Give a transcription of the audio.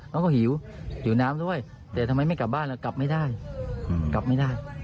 เขาก็หิวหิวน้ำด้วยแต่ทำไมไม่กลับบ้านแล้วกลับไม่ได้กลับไม่ได้